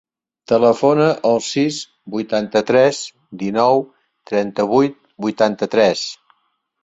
Telefona al sis, vuitanta-tres, dinou, trenta-vuit, vuitanta-tres.